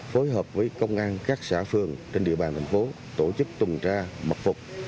phối hợp với công an các xã phường trên địa bàn thành phố tổ chức tùng tra mặc phục